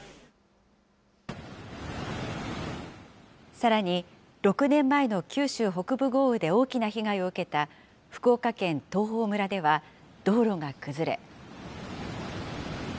さらに、６年前の九州北部豪雨で大きな被害を受けた福岡県東峰村では道路が崩れ。